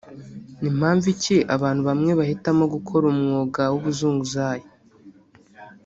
ni mpamvu ki abantu bmwe bahitamo gukora umwuga w’ubuzunguzayi